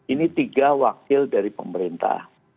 ini tiga wakil dari pemerintah